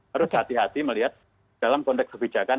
harus hati hati melihat dalam konteks kebijakan